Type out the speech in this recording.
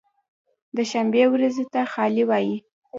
د شنبې ورځې ته خالي وایی